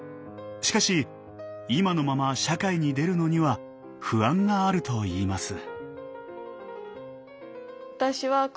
しかし今のまま社会に出るのには不安があるといいます。